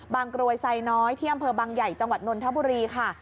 กรวยไซน้อยที่อำเภอบางใหญ่จังหวัดนนทบุรีค่ะ